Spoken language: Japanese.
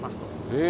え。